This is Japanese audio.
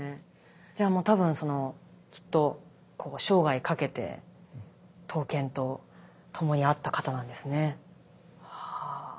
じゃあもうたぶんそのきっとこう生涯かけて刀剣とともにあった方なんですね。